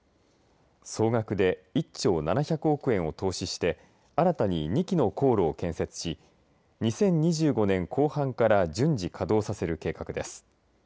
総額で１兆７００億円を投資して新たに２基の高炉を建設し２０２５年後半から順次稼働させる計画です。